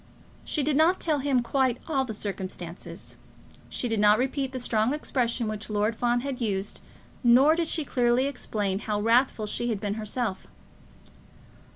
She did not tell him quite all the circumstances. She did not repeat the strong expressions which Lord Fawn had used, nor did she clearly explain how wrathful she had been herself.